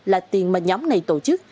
là tiền mà nhóm này tổ chức